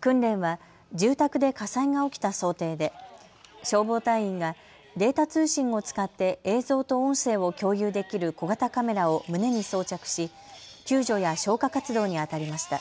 訓練は住宅で火災が起きた想定で消防隊員がデータ通信を使って映像と音声を共有できる小型カメラを胸に装着し救助や消火活動にあたりました。